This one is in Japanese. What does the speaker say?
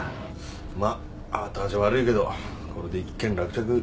まっ後味悪いけどこれで一件落着。